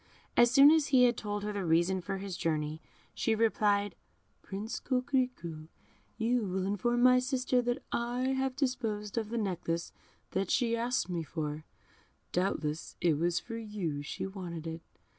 As soon as he had told her the reason of his journey, she replied, "Prince Coquerico, you will inform my sister that I have disposed of the necklace that she asks me for; doubtless it was for you she wanted it.